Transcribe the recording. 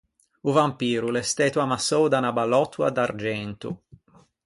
O vampiro o l’é stæto ammassou da unna ballòttoa d’argento.